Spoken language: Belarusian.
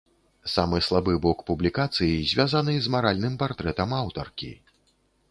Самы слабы блок публікацыі звязаны з маральным партрэтам аўтаркі.